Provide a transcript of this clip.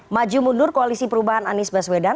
maju mundur koalisi perubahan anies baswedan